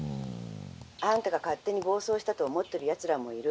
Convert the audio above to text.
「あんたが勝手に暴走したと思ってるやつらもいる。